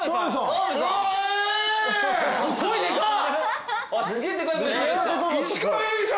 声でかっ！